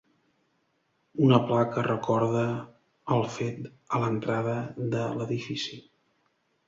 Una placa recorda el fet a l'entrada de l'edifici.